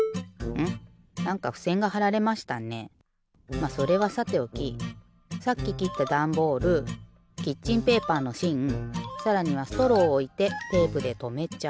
まっそれはさておきさっききったダンボールキッチンペーパーのしんさらにはストローをおいてテープでとめちゃう。